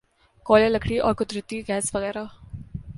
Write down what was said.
کوئلہ لکڑی اور قدرتی گیس وغیرہ